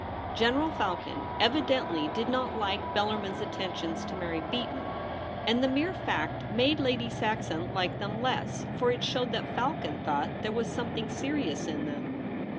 General Falcon evidently did not like Bellarmin's attentions to Mary Beaton ; and the mere fact made Lady Saxon like them less, for it showed that Falcon thought there was something serious in them.